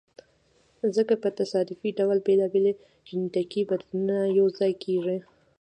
ځکه په تصادفي ډول بېلابېل جینټیکي بدلونونه یو ځای کیږي.